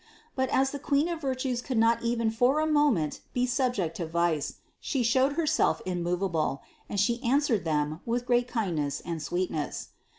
But as the Queen of virtues could not even for a moment be subject to vice, She showed Herself immovable, and She answered them with great kindness and sweetness.